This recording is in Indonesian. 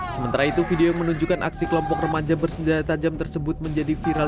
sementara itu video yang menunjukkan aksi kelompok remaja bersenjata tajam tersebut menjadi viral